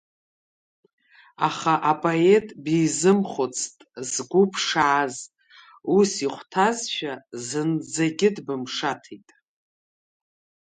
Аха апоет бизымхәыцт, згәы ԥшааз, ус ихәҭазшәа, зынӡагьы дбымшаҭеит…